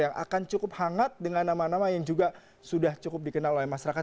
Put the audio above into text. yang akan cukup hangat dengan nama nama yang juga sudah cukup dikenal oleh masyarakat